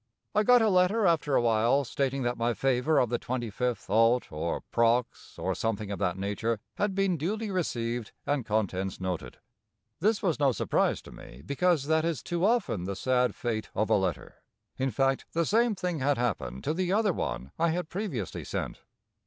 I got a letter after awhile, stating that my favor of the 25th ult. or prox. or something of that nature, had been duly received and contents noted. This was no surprise to me, because that is too often the sad fate of a letter. In fact the same thing had happened to the other one I had previously sent.